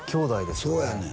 そうやねん